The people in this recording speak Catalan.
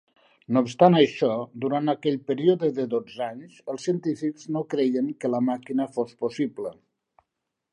No obstant això, durant aquell període de dotze anys, els científics no creien que la màquina fos possible.